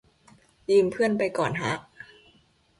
ยืมเพื่อนไปก่อนฮะ